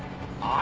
あ！